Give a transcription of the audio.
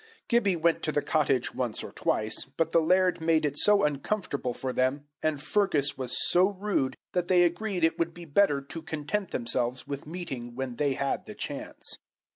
Gibbie went to the cottage once or twice, but the laird made it so uncomfortable for them, and Fergus was so rude, that they agreed it would be better to content themselves with meeting when they had the chance.